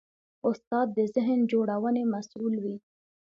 استاد د ذهن جوړونې مسوول وي.